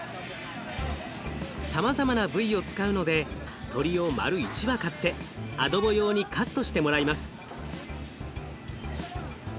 さまざまな部位を使うので鶏を丸一羽買ってアドボ用にカットしてもらいます。